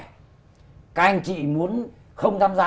các anh chị muốn không tham gia